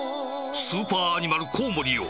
スーパーアニマルコウモリよ